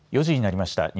４時になりました。